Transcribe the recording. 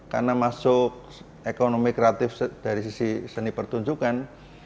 karena masuk ekonomi kreatif dari sisi seni pertunjukan